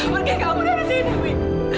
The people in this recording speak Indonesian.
pergi kamu dari sini dewi